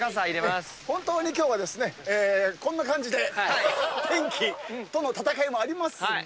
本当に今日はこんな感じで天気との闘いもありますが。